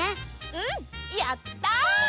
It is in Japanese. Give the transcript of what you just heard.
うんやった！